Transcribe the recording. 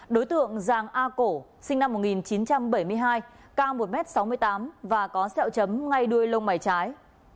đối tượng giang a cổ sinh năm một nghìn chín trăm bảy mươi hai cao một m sáu mươi tám và có xeo chấm ngay đuôi lông mảy trái